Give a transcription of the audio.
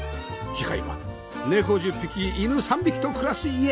次回は猫１０匹犬３匹と暮らす家